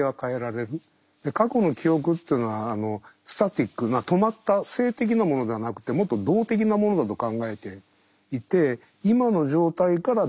過去の記憶っていうのはスタティックな止まった静的なものではなくてもっと動的なものだと考えていて今の状態から見た過去ですから。